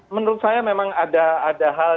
menurut saya memang ada hal